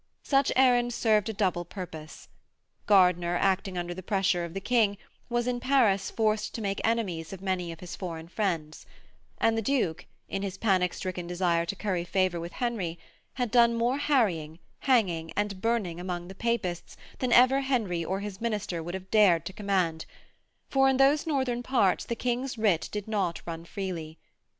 Such errands served a double purpose: Gardiner, acting under the pressure of the King, was in Paris forced to make enemies of many of his foreign friends; and the Duke, in his panic stricken desire to curry favour with Henry, had done more harrying, hanging and burning among the Papists than ever Henry or his minister would have dared to command, for in those northern parts the King's writ did not run freely.